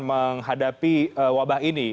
menghadapi wabah ini